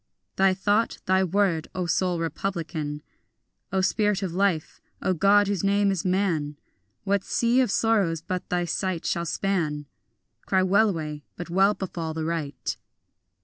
Thy thought, thy word, O soul republican, O spirit of life, O God whose name is man: What sea of sorrows but thy sight shall span? Cry wellaway, but well befall the right.